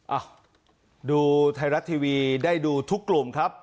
อ่ะดูไทยรัฐทีวีได้ดูทุกกลุ่มครับ